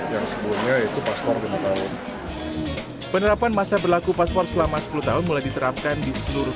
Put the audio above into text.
yang sebelumnya yaitu paspor lima tahun penerapan masa berlaku paspor selama sepuluh tahun mulai diterapkan di seluruh